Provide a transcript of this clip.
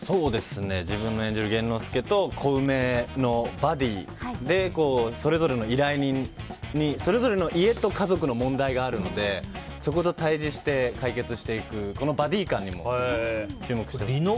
自分の演じる玄之介と小梅のバディーでそれぞれの依頼人にそれぞれの家と家族の問題があるのでそこと対峙して解決していくバディー感にも注目していただいて。